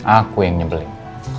aku yang nyebelin